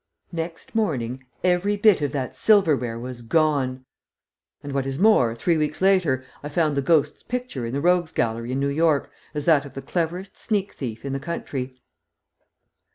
"] Next morning every bit of that silver ware was gone; and, what is more, three weeks later I found the ghost's picture in the Rogues' Gallery in New York as that of the cleverest sneak thief in the country.